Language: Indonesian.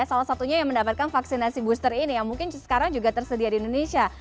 salah satunya yang mendapatkan vaksinasi booster ini yang mungkin sekarang juga tersedia di indonesia